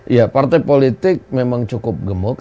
ya partai politik memang cukup gemuk